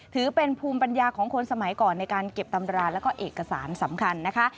ถือเป็นภูมิปัญญาของคนสมัยก่อนในการเก็บตำราแล้วก็เอกสารสำคัญนะคะ